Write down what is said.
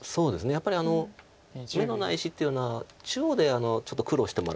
やっぱり眼のない石っていうのは中央でちょっと苦労してもらう。